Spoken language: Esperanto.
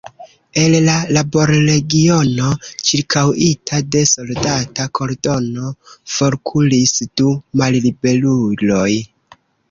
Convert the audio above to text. El la laborregiono, ĉirkaŭita de soldata kordono, forkuris du malliberuloj.